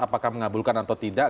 apakah mengabulkan atau tidak